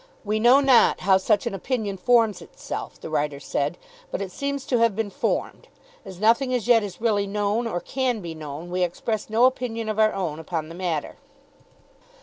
"We know not how such an opinion forms itself," the writer said; "but it seems to have been formed. As nothing as yet is really known, or can be known, we express no opinion of our own upon the matter."